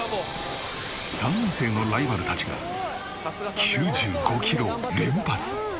３年生のライバルたちが９５キロを連発。